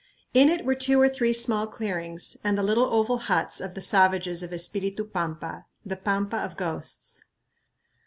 In it were two or three small clearings and the little oval huts of the savages of Espiritu Pampa, the "Pampa of Ghosts."